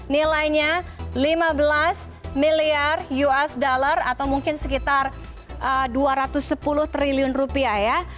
nilainya lima belas miliar usd atau mungkin sekitar dua ratus sepuluh triliun rupiah ya